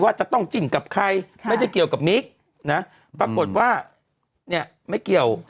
ว่าจะต้องจินกับใครไม่ได้เกี่ยวกับมิภ์ปรากฏว่าไม่เกี่ยว